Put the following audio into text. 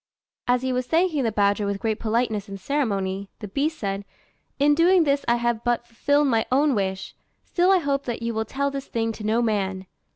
As he was thanking the badger with great politeness and ceremony, the beast said, "In doing this I have but fulfilled my own wish; still I hope that you will tell this thing to no man."